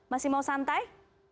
masih mau santai